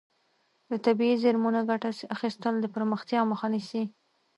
د طبیعي زیرمو نه ګټه اخیستل د پرمختیا مخه نیسي.